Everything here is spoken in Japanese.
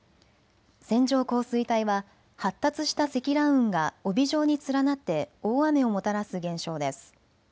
線状降水帯は発達した積乱雲が帯状に連なって大雨をもたらす現象です。